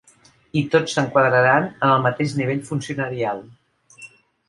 I tots s’enquadraran en el mateix nivell funcionarial.